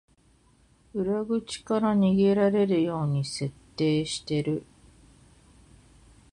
裏口から逃げられるように設計してる